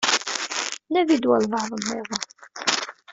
Nadi-d walebɛaḍ-nniḍen.